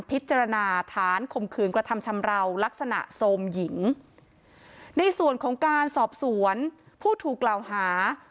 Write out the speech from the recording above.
พิจารณาฐานข่มขืนกระทำชำราวลักษณะโทรมหญิงในส่วนของการสอบสวนผู้ถูกกล่าวหา